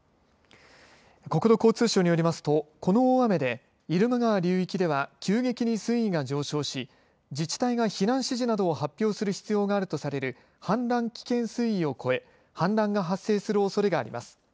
国土交通省によりますとこの大雨で入間川流域では急激に水位が上昇し自治体が避難指示などを発表するおそれがあるとされる氾濫危険水位を超え氾濫が発生するおそれがあります。